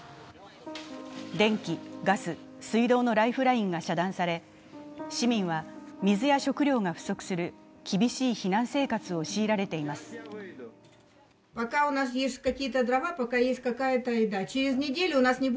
電気、ガス、水道のライフラインが遮断され、市民は水や食料が不足する厳しい避難生活を強いられています。